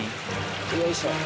よいしょ。